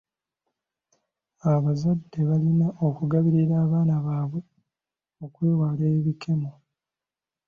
Abazadde balina okugabirira abaana baabwe okwewala ebikemo.